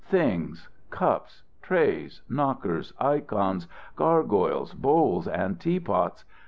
Things: cups, trays, knockers, ikons, gargoyles, bowls, and teapots.